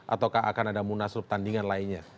ataukah akan ada munaslup tandingan lainnya